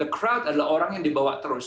crowd adalah orang yang dibawa terus